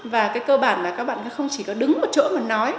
và cơ bản là các bạn không chỉ đứng một chỗ mà nói